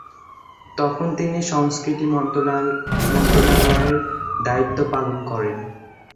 তখন তিনি সংস্কৃতি মন্ত্রণালয়ের দায়িত্ব পালন করেন।